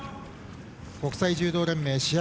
国際柔道連盟試合